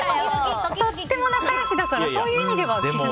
とっても仲良しだからそういう意味では絆ですよね。